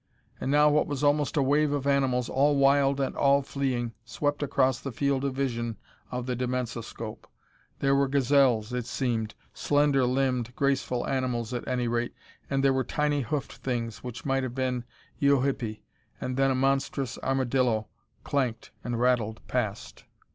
And now what was almost a wave of animals, all wild and all fleeing, swept across the field of vision of the dimensoscope. There were gazelles, it seemed slender limbed, graceful animals, at any rate and there were tiny hoofed things which might have been eohippi, and then a monstrous armadillo clanked and rattled past....